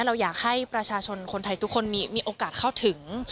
เราอยากให้ประชาชนคนไทยทุกคนมีโอกาสเข้าถึง